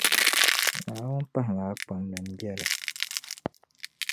Naawuni pahimi a kpamli m biɛli.